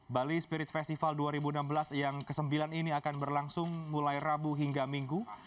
bali spirit festival dua ribu enam belas yang ke sembilan ini akan berlangsung mulai rabu hingga minggu